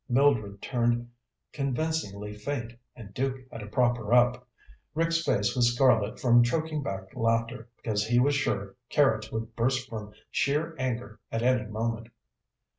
Mildred turned convincingly faint and Duke had to prop her up. Rick's face was scarlet from choking back laughter, because he was sure Carrots would burst from sheer anger at any moment.